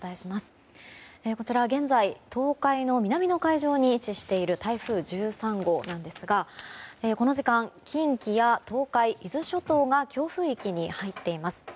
こちらは現在東海の南の海上に位置している台風１３号なんですがこの時間、近畿や東海伊豆諸島が強風域に入っています。